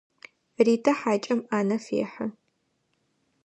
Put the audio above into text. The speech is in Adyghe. Ритэ хьакӏэм ӏанэ фехьы.